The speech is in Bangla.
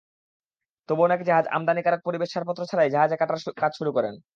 তবু অনেক জাহাজ আমদানিকারক পরিবেশ ছাড়পত্র ছাড়াই জাহাজ কাটার কাজ শুরু করেন।